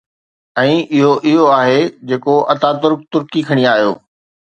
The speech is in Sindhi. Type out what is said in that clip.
۽ اھو اھو آھي جيڪو اتا ترڪ ترڪي کڻي آيو.